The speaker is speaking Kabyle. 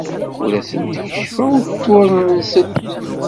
Ur asent-d-keccfeɣ ufuren-nsent.